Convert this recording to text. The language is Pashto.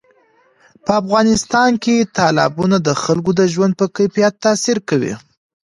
په افغانستان کې تالابونه د خلکو د ژوند په کیفیت تاثیر کوي.